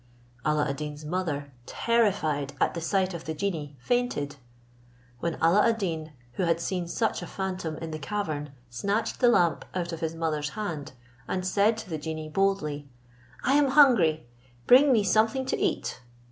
Alla ad Deen's mother, terrified at the sight of the genie, fainted; when Alla ad Deen, who had seen such a phantom in the cavern, snatched the lamp out of his mother's hand, and said to the genie boldly, "I am hungry, bring me something to eat."